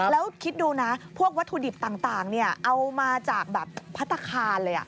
แล้วคิดดูนะพวกวัตถุดิบต่างเอามาจากแบบพัฒนาคารเลย